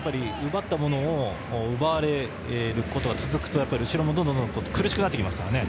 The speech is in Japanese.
奪ったものを奪われることが続くと後ろもどんどん苦しくなってきますからね。